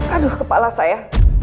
aduh kepala saya